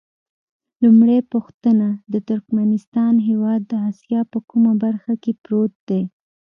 لومړۍ پوښتنه: د ترکمنستان هېواد د اسیا په کومه برخه کې پروت دی؟